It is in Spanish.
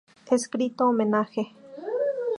Escrito homenaje.